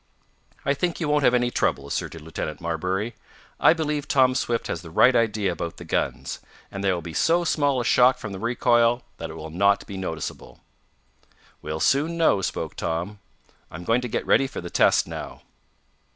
"I think you won't have any trouble," asserted Lieutenant Marbury. "I believe Tom Swift has the right idea about the guns, and there will be so small a shock from the recoil that it will not be noticeable." "We'll soon know," spoke Tom. "I'm going to get ready for the test now."